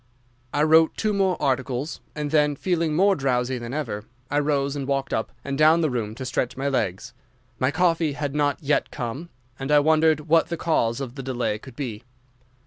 "I wrote two more articles and then, feeling more drowsy than ever, I rose and walked up and down the room to stretch my legs. My coffee had not yet come, and I wondered what the cause of the delay could be.